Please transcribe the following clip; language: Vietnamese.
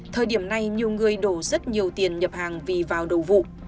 thời điểm này nhiều người đổ rất nhiều tiền nhập hàng vì vào đầu vụ